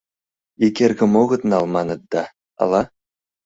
Ик эргым огыт нал, маныт да, ала?..